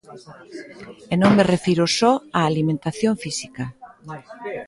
E non me refiro só á alimentación física.